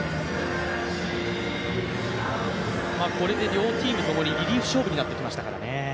これで両チームともに、リリーフ勝負となってきましたからね。